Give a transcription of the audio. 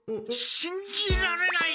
しんじられない。